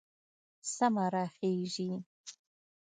سمه راخېژي